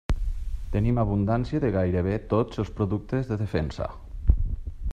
Tenim abundància de gairebé tots els productes de defensa.